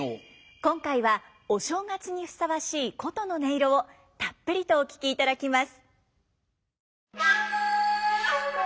今回はお正月にふさわしい箏の音色をたっぷりとお聴きいただきます。